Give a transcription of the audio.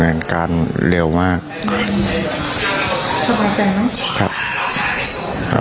ก็อบวนการเร็วมากขอบคุณมากครับไม่รู้ผมก็